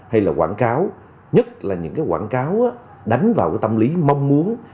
hay là quảng cáo nhất là những quảng cáo đánh vào tâm lý mong muốn